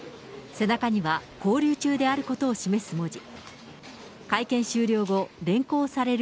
背中には勾留中であることを示す文字。